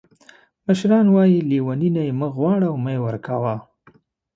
مشران وایي لیوني نه یې مه غواړه او مه یې ورکوه.